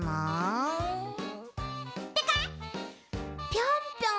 ぴょんぴょん？